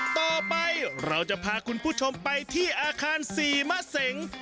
ต่อไปเราจะพาคุณผู้ชมไปที่อาคารศรีมะเสง